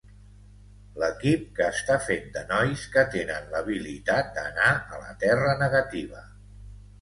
L'equip que està fet de nois que tenen l'habilitat d'anar a la Terra Negativa.